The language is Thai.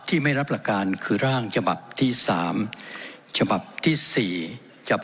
ที่ไม่รับหลักการคือร่างจบับที่สามจบับที่สี่จบ